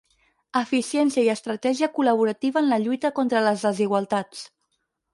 Eficiència i estratègia col·laborativa en la lluita contra les desigualtats.